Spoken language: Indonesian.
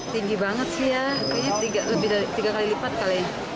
tinggi banget sih ya kayaknya lebih dari tiga kali lipat kalinya